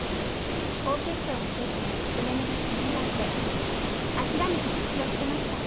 オーケストラもデビューも夢のまた夢だってあきらめて卒業してました。